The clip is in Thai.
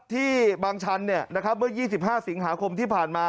ที่บางชันเมื่อ๒๕สิงหาคมที่ผ่านมา